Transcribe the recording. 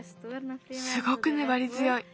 すごくねばりづよい。